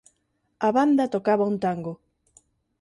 A banda tocaba un tango.